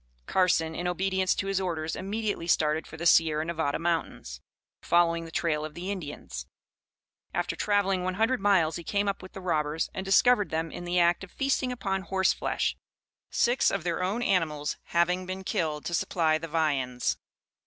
Carson, in obedience to his orders, immediately started for the Sierra Nevada Mountains, following the trail of the Indians. After travelling one hundred miles he came up with the robbers, and discovered them in the act of feasting upon horse flesh, six of their own animals having been killed to supply the viands.